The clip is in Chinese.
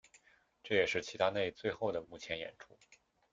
这也是齐达内最后的幕前演出。